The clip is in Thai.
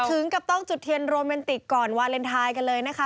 ถึงกับต้องจุดเทียนโรแมนติกก่อนวาเลนไทยกันเลยนะคะ